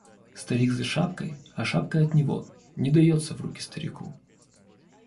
Старик за шапкой, а шапка от него, не дается в руки старику.